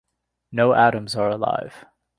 No atoms are alive.